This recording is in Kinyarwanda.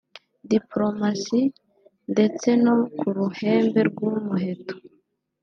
Diplomatie ndetse no kuruhembe rw’umuheto